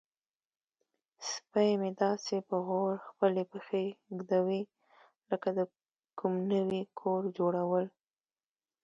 سپی مې داسې په غور خپلې پښې ږدوي لکه د کوم نوي کور جوړول.